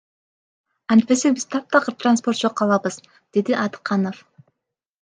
Антпесек биз таптакыр транспорт жок калабыз, — деди Атыканов.